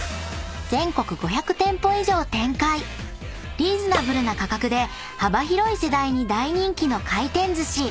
［リーズナブルな価格で幅広い世代に大人気の回転寿司］